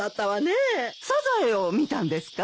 サザエを見たんですか？